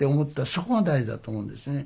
そこが大事だと思うんですね。